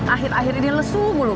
akhir akhir ini lesu mulu